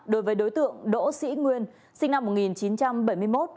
đối với đối tượng đỗ sĩ nguyên sinh năm một nghìn chín trăm bảy mươi một